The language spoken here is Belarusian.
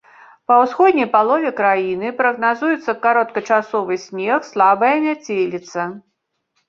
Па ўсходняй палове краіны прагназуецца кароткачасовы снег, слабая мяцеліца.